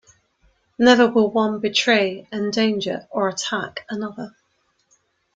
Never will one betray, endanger, or attack another.